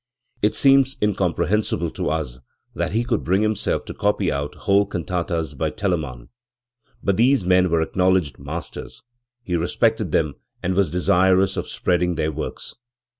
It seems incomprehensible to us that he could bring himself to copy out whole can tatas by Telemann. But these men were acknowledged masters: he respected them and was desirous of spreading their works.